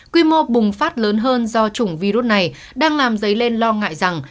quy mô bùng phát lớn hơn do chủng virus này đang làm dấy lên lo ngại rằng